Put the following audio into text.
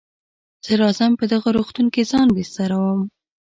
زه راځم په دغه روغتون کې ځان بستروم.